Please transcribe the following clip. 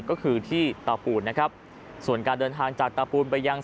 ก็คือที่ตาปูนนะครับ